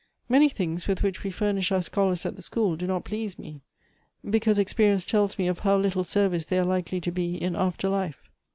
" Many things, with which we furnish our scholars at the school, do not please me ; because experience tells me of how little service they are likely to be in after life.